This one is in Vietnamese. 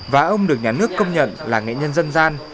và ông được nhà nước công nhận là nghệ nhân dân gian